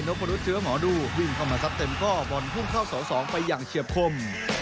มนุษย์เชื้อหมอดูวิ่งเข้ามาซัดเต็มข้อบอลพุ่งเข้าเสา๒ไปอย่างเฉียบคม